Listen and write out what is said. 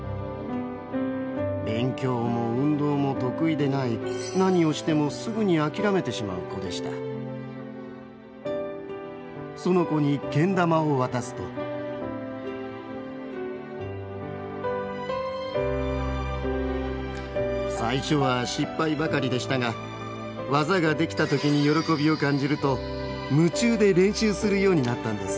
勉強も運動も得意でない何をしてもすぐにあきらめてしまう子でしたその子にけん玉を渡すと最初は失敗ばかりでしたが技ができたときに喜びを感じると夢中で練習するようになったんです